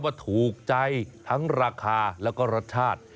ว่าถูกใจทั้งราคาแล้วก็รสชาติ